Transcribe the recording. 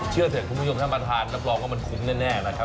เชื่อเถอะคุณผู้ชมถ้ามาทานรับรองว่ามันคุ้มแน่นะครับ